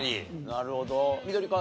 なるほど。